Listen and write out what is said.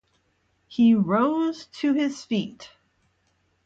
He rose to his feet.